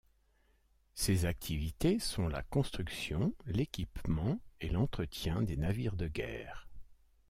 Ses activités sont la construction, l'équipement et l'entretien des navires de guerre.